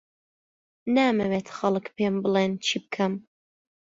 نامەوێت خەڵک پێم بڵێن چی بکەم.